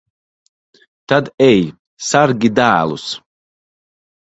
Tad ej, sargi dēlus.